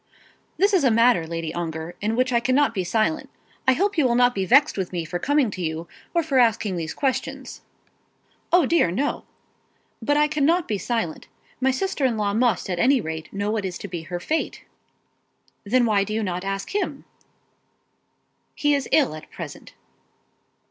"This is a matter, Lady Ongar, in which I cannot be silent. I hope you will not be angry with me for coming to you, or for asking you these questions " "O dear, no." "But I cannot be silent. My sister in law must at any rate know what is to be her fate." "Then why do you not ask him?" "He is ill at present."